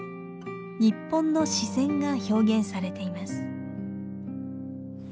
日本の自然が表現されています。